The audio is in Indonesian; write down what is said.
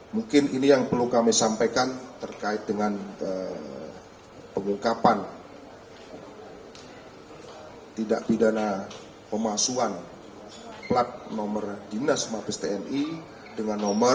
mungkin ini yang perlu kami sampaikan terkait dengan pengungkapan tidak pidana pemalsuan plat nomor dinas mabes tni dengan nomor